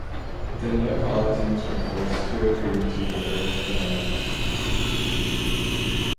The Neapolitans were forced to agree to the British demands.